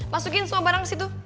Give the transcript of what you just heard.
masukin semua barang kesitu